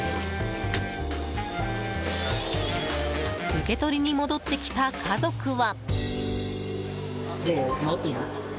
受け取りに戻ってきた家族は。